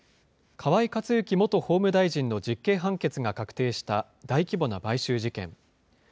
河井克行元法務大臣の実刑判決が確定した大規模な買収事件。